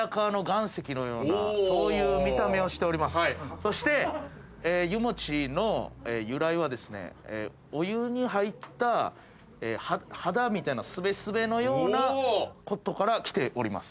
そして湯もちの由来はですねお湯に入った肌みたいなスベスベのようなことからきております。